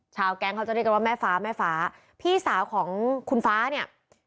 แก๊งเขาจะเรียกกันว่าแม่ฟ้าแม่ฟ้าพี่สาวของคุณฟ้าเนี่ย